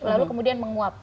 lalu kemudian menguap